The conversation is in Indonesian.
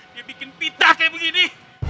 dia bikin pitah kayak begini